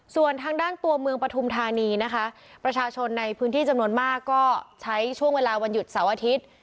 ส่วนทางด้านตัวเมืองปฐุมธานีนะคะประชาชนในพื้นที่จำนวนมากก็ใช้ช่วงเวลาวันหยุดเสาร์อาทิตย์